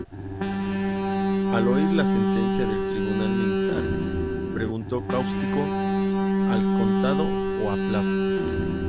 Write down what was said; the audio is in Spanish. Al oír la sentencia del tribunal militar, preguntó cáustico: "¿Al contado o a plazos?".